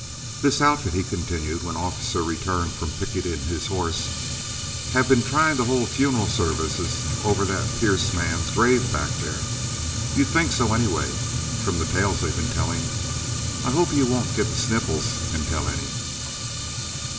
This outfit," he continued, when Officer returned from picketing his horse, "have been trying to hold funeral services over that Pierce man's grave back there. You'd think so, anyway, from the tales they've been telling. I hope you won't get the sniffles and tell any."